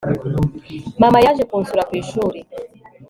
mama yaje kunsura kwishuri